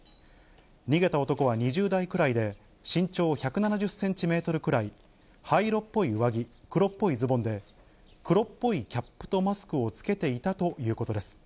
逃げた男は２０代くらいで、身長１７０センチメートルくらい、灰色っぽい上着、黒っぽいズボンで、黒っぽいキャップとマスクをつけていたということです。